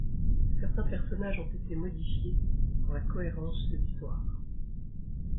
Certains personnages ont été modifiés pour la cohérence de l'histoire.